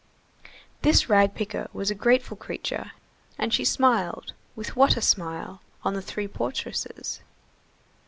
This rag picker was a grateful creature, and she smiled, with what a smile! on the three portresses.